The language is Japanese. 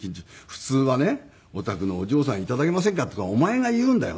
「普通はね“お宅のお嬢さんいただけませんか？”とかお前が言うんだよ」